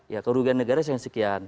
ya kerugian negara sekian sekian ya kan